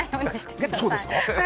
そうですか。